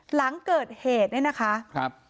หลังเกิดเหตุเนี่ยนะคะครับ